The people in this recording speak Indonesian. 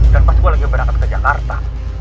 dan pas gue lagi berangkat ke jakarta